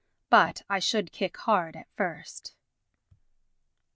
But I should kick hard at first.